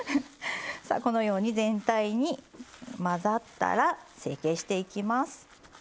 さあこのように全体に混ざったら成形していきます。